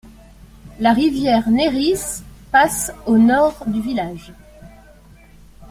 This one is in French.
La rivière Neris passe au nord du village.